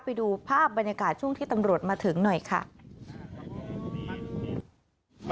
ก็ไม่ยืมก็ให้เขายืม